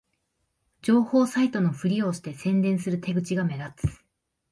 情報サイトのふりをして宣伝する手口が目立つ